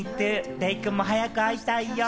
デイくんも早く会いたいよ。